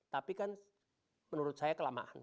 tapi kan menurut saya kelamaan